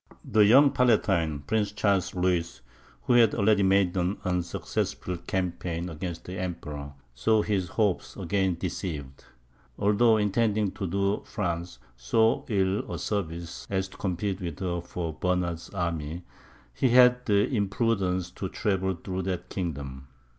The young Palatine, Prince Charles Louis, who had already made an unsuccessful campaign against the Emperor, saw his hopes again deceived. Although intending to do France so ill a service, as to compete with her for Bernard's army, he had the imprudence to travel through that kingdom.